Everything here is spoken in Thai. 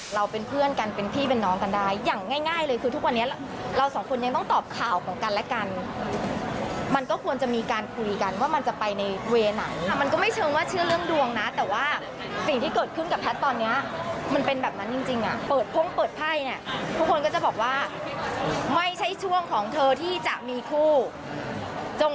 เราเป็นเพื่อนกันเป็นพี่เป็นน้องกันได้อย่างง่ายเลยคือทุกวันนี้เราสองคนยังต้องตอบข่าวของกันและกันมันก็ควรจะมีการคุยกันว่ามันจะไปในเวย์ไหนค่ะมันก็ไม่เชิงว่าเชื่อเรื่องดวงนะแต่ว่าสิ่งที่เกิดขึ้นกับแพทย์ตอนเนี้ยมันเป็นแบบนั้นจริงจริงอ่ะเปิดพ่งเปิดไพ่เนี่ยทุกคนก็จะบอกว่าไม่ใช่ช่วงของเธอที่จะมีคู่จง